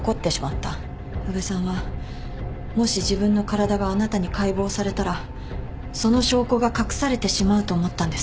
宇部さんはもし自分の体があなたに解剖されたらその証拠が隠されてしまうと思ったんです。